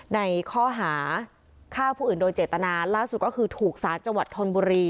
ในข้อหาฆ่าผู้อื่นโดยเจตนาล่าสุดก็คือถูกสารจังหวัดธนบุรี